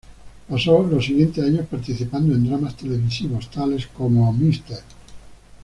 Pasó los siguientes años participando en dramas televisivos, tales como "Mr.